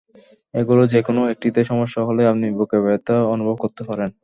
এগুলোর যেকোনো একটিতে সমস্যা হলেই আপনি বুকে ব্যথা অনুভব করতে পারেন।